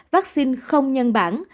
vaccine không nhân bản